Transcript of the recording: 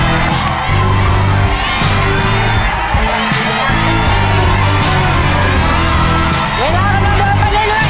ต้องเร็วต้องแข่งกับเวลาอีก